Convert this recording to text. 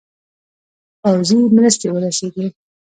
پوځي مرستي ورسیږي.